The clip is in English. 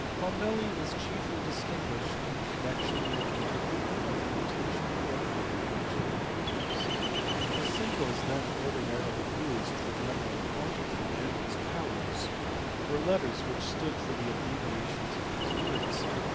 Bombelli is chiefly distinguished in connection with the improvement in the notation of algebra which he introduced. The symbols then ordinarily used for the unknown quantity and its powers were letters which stood for abbreviations of the words.